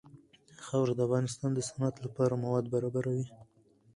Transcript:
خاوره د افغانستان د صنعت لپاره مواد برابروي.